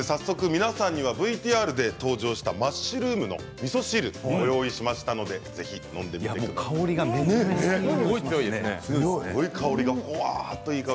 皆さんにはＶＴＲで登場したマッシュルームのみそ汁をご用意しましたので香りがすごいですね。